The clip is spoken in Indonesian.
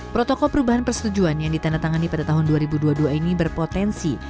protokol perubahan persetujuan yang ditandatangani pada tahun dua ribu dua puluh dua ini berpotensi